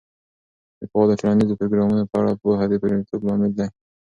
د فعالو ټولنیزو پروګرامونو په اړه پوهه د بریالیتوب لامل دی.